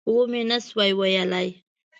ومې نه شوای ویلای.